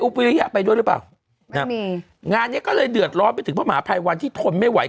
ปีริยะไปด้วยหรือเปล่านะมีงานเนี้ยก็เลยเดือดร้อนไปถึงพระมหาภัยวันที่ทนไม่ไหว